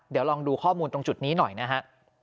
เดี๋ยวลองดูข้อมูลตรงจุดนี้หน่อยนะฮะ